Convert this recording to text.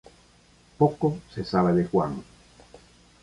Poco se sabe de Juan.